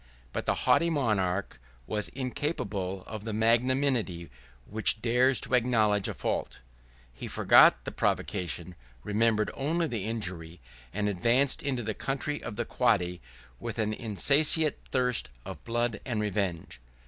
But the haughty monarch was incapable of the magnanimity which dares to acknowledge a fault. He forgot the provocation, remembered only the injury, and advanced into the country of the Quadi with an insatiate thirst of blood and revenge.